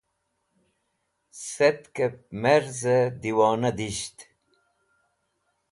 Sẽtkep Merze Diwona Disht